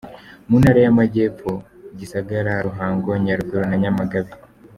Mu ntara y’Amajyepfo: Gisagara, Ruhango, Nyaruguru na Nyamagabe .